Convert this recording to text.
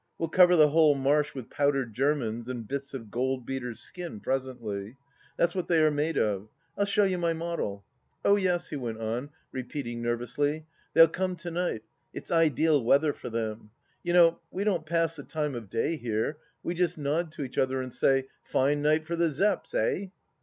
We'll cover the whole marsh with powdered Germans and bits of gold beaters' skin presently. That's what they are made of. I'll show you my model. ... Oh yes," he went on repeating nervously, " they'll come to night ; it's ideal weather for them. You know, we don't pass the time of day here, we just nod to each other and say, ' Fine night for the Zepps, eh